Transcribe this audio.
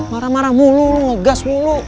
marah marah mulu ngegas mulu